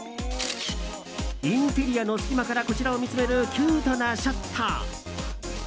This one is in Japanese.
インテリアの隙間からこちらを見つめるキュートなショット。